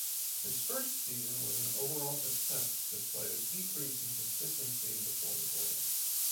His first season was an overall success despite a decrease in consistency before the goal.